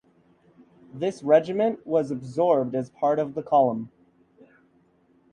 This regiment was absorbed as part of the column.